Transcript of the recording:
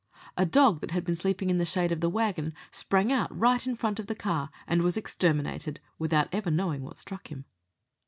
A dog that had been sleeping in the shade of the waggon sprang out right in front of the car, and was exterminated without ever knowing what struck him.